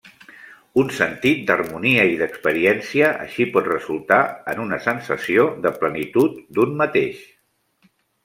Un sentit d'harmonia i d'experiència així pot resultar en una sensació de plenitud d'un mateix.